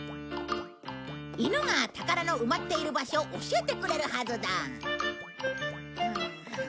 イヌが宝の埋まっている場所を教えてくれるはずだ。